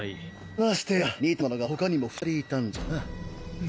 ましてや似たようなのが他にも２人いたんじゃな。